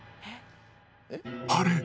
あれ？